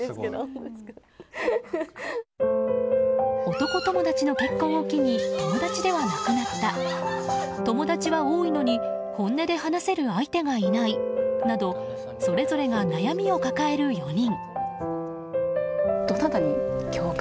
男友達の結婚を機に友達ではなくなった友達は多いのに本音で話せる相手がいないなどそれぞれが悩みを抱える４人。